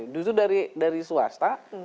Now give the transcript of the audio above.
justru dari swasta